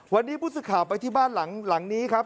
วันนี้ผู้สื่อข่าวไปที่บ้านหลังนี้ครับ